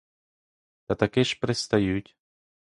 Та таки ж пристають!